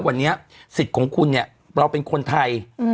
วันนี้สิทธิ์ของคุณเนี่ยเราเป็นคนไทย